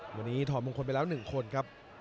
มาที่ถ่อมงคลไปแล้วหนึ่งคนครับ